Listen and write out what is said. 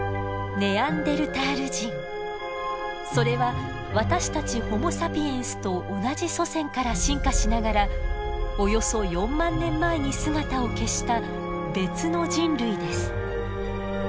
それは私たちホモ・サピエンスと同じ祖先から進化しながらおよそ４万年前に姿を消した別の人類です。